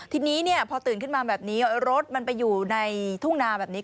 ทีนี้พอตื่นขึ้นมาแบบนี้รถมันไปอยู่ในทุ่งนาแบบนี้